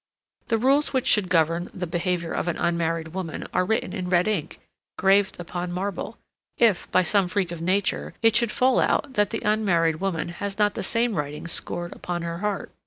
The rules which should govern the behavior of an unmarried woman are written in red ink, graved upon marble, if, by some freak of nature, it should fall out that the unmarried woman has not the same writing scored upon her heart.